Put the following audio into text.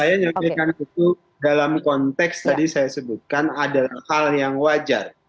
saya menyampaikan itu dalam konteks tadi saya sebutkan adalah hal yang wajar